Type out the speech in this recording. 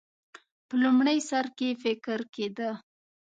په لومړي سر کې فکر کېده.